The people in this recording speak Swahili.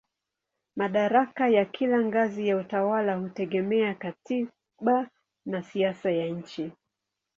Madaraka ya kila ngazi ya utawala hutegemea katiba na siasa ya nchi.